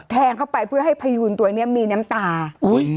แทงเข้าไปเพื่อให้พยูนตัวเนี้ยมีน้ำตาอุ้ย